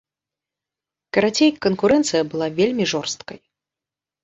Карацей, канкурэнцыя была вельмі жорсткай.